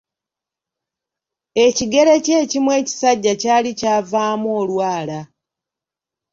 Ekigere kye ekimu ekisajja kyali kyavaamu olwala.